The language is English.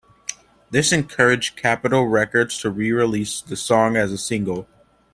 This encouraged Capitol Records to re-release the song as a single.